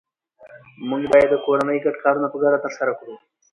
موږ باید د کورنۍ ګډ کارونه په ګډه ترسره کړو